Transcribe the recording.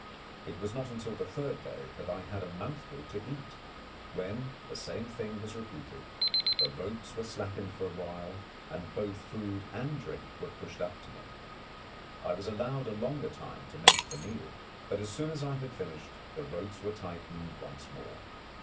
It was not until the third day that I had a mouthful to eat, when the same thing was repeated: the ropes were slackened for a while, and both food and drink were pushed up to me. I was allowed a longer time to make the meal, but, as soon as I had finished, the ropes were tightened once more.